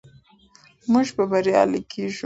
موږ به بریالي کیږو.